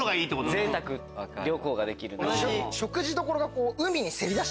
ぜいたく旅行ができる。